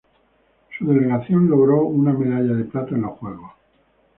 Su delegación logró una medalla de plata en los juegos.